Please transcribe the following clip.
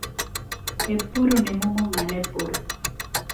އެއްބުރު ނިމުމުން އަނެއް ބުރު